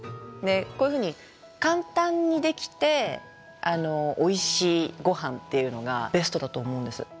こういうふうに簡単にできておいしいごはんっていうのがベストだと思うんです。